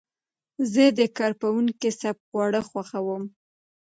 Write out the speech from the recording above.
زه د کرپونکي سپک خواړه خوښوم.